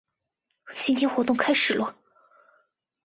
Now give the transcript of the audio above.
今天活动开始啰！